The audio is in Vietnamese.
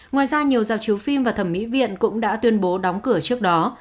ngoài ra nhiều giáo chứa phim và thẩm mỹ viện cũng đã tuyên bố đóng cửa trước đó